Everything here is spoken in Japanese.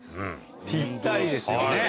ぴったりですよね。